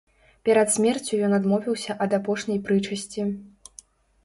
Перад смерцю ён адмовіўся ад апошняй прычасці.